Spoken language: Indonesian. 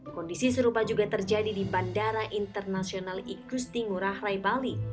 kondisi serupa juga terjadi di bandara internasional igusti ngurah rai bali